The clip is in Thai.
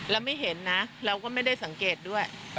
เราไม่เห็นนะเราก็ไม่ได้สังเกตด้วย